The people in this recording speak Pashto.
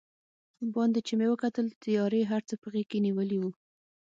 باندې چې مې وکتل، تیارې هر څه په غېږ کې نیولي و.